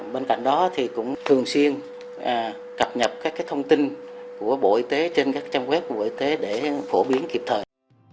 bên cạnh đó thì cũng thường xuyên cập nhập các thông tin của bộ y tế trên các trang web của bộ y tế để phổ biến kịp thời